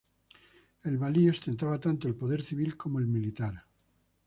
El valí ostentaba tanto el poder civil como el militar.